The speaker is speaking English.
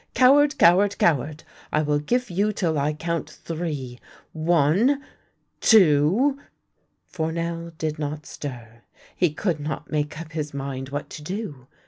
Coward! Coward! Coward! I will give you till I count three. One! ... Two! ..." Fournel did not stir. He could not make up his mind what to do.